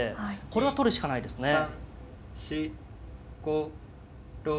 これは取るしかないですね。